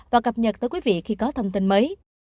và cập nhật tới quý vị khi có thông tin mới